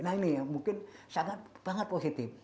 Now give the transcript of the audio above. nah ini mungkin sangat banget positif